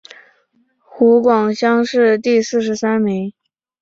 湖广乡试第四十三名。